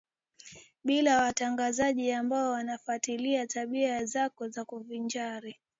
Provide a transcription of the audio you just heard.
bila watangazaji ambao wanafuatilia tabia zako za kuvinjari